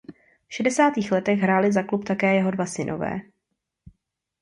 V šedesátých letech hráli za klub také jeho dva synové.